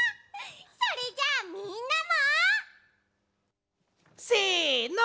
それじゃあみんなも！せの！